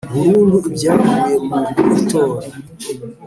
burundu ibyavuye mu itora